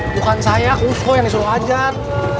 bukan saya kusho yang disuruh ajar